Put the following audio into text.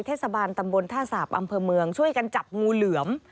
เทศบาลตำบลท่าสาปอำเภอเมืองช่วยกันจับงูเหลือม